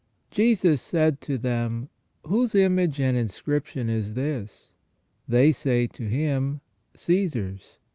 "Jesus said to them : Whose image and inscription is this ? They say to him : Caesar's.